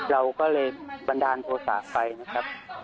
เราก็เลยบันดาลโทษะไปนะครับ